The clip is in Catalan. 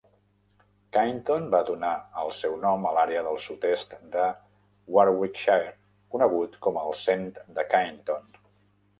Kineton va donar el seu nom a l'àrea del sud-est de Warwickshire conegut com als Cent de Kineton.